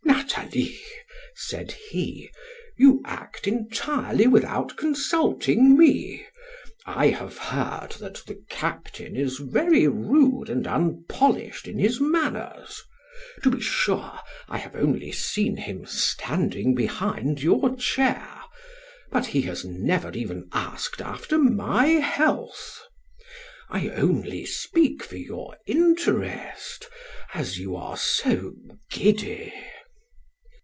"Nathalie," said he, "you act entirely without consulting me. I have heard that the captain is very rude and unpolished in his manners. To be sure, I have only seen him standing behind your chair; but he has never even asked after my health. I only speak for your interest, as you are so giddy."